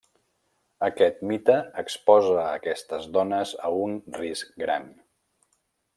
Aquest mite exposa a aquestes dones a un risc gran.